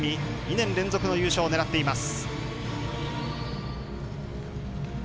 ２年連続の優勝を狙っています。